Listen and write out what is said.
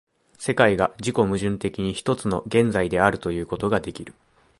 世界が自己矛盾的に一つの現在であるということができる。